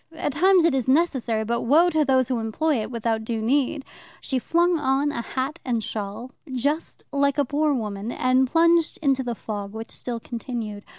At times it is necessary, but woe to those who employ it without due need. She flung on a hat and shawl, just like a poor woman, and plunged into the fog, which still continued.